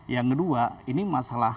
yang kedua ini masalah